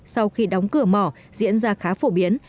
sau khi đóng cửa mỏ diễn ra khá phổ biến